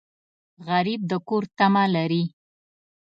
غریب د کور تمه لري